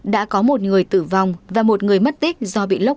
đã có một người tử vong và một người mất tích do bị lốc